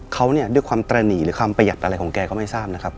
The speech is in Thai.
เขาเนี่ยด้วยความตระหนีหรือความประหยัดอะไรของแกก็ไม่ทราบนะครับ